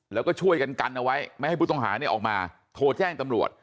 แล้วก็ช่วยกันกันเอาไว้ไม่ให้ผู้ต้องหาเนี่ยออกมาโทรแจ้งตำรวจ